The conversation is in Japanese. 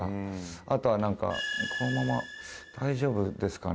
あとはなんかこのまま大丈夫ですかね？